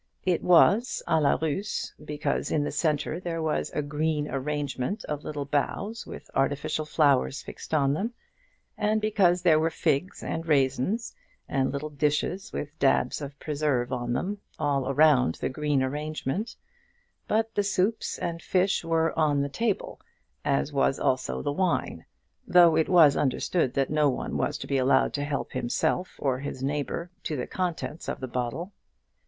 It was à la Russe, because in the centre there was a green arrangement of little boughs with artificial flowers fixed on them, and because there were figs and raisins, and little dishes with dabs of preserve on them, all around the green arrangement; but the soups and fish were on the table, as was also the wine, though it was understood that no one was to be allowed to help himself or his neighbour to the contents of the bottle.